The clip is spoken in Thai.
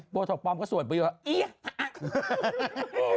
โบท็อกปลอมก็ส่วนประโยชน์